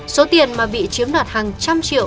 số tiền mà bị chiếm đạt hàng trăm triệu